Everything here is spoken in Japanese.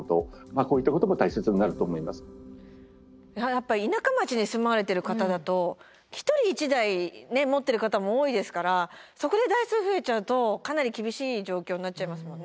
やっぱ田舎町に住まわれてる方だと一人１台持ってる方も多いですからそこで台数増えちゃうとかなり厳しい状況になっちゃいますもんね。